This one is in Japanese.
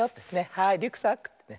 はいリュックサックってね。